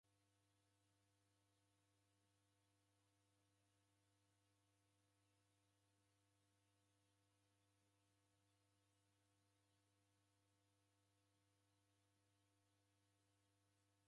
Oreka mndu uko na ndighi na w'uing'oni.